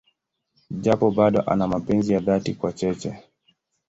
Japo bado ana mapenzi ya dhati kwa Cheche.